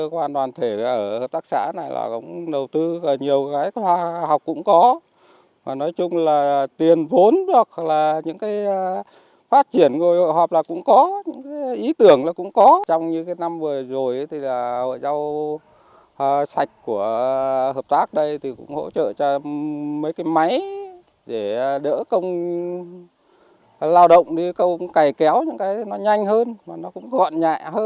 hợp tác đây cũng hỗ trợ cho mấy cái máy để đỡ công lao động đi công cày kéo những cái nó nhanh hơn mà nó cũng gọn nhẹ hơn